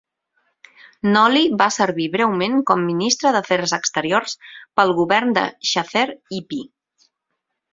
Noli va servir breument com Ministre d"afers exteriors pel govern de Xhafer Ypi.